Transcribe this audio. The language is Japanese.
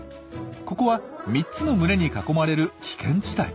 ここは３つの群れに囲まれる危険地帯。